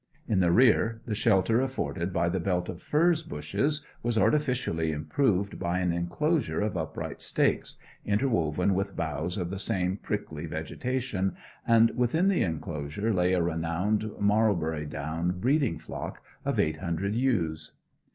In the rear, the shelter afforded by the belt of furze bushes was artificially improved by an inclosure of upright stakes, interwoven with boughs of the same prickly vegetation, and within the inclosure lay a renowned Marlbury Down breeding flock of eight hundred ewes.